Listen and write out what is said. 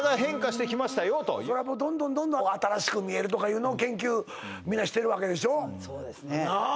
それはどんどんどんどん新しく見えるとかいうのを研究みんなしてるわけでしょそうですね